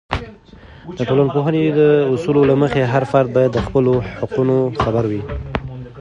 د ټولنپوهنې د اصولو له مخې، هر فرد باید د خپلو حقونو خبر وي.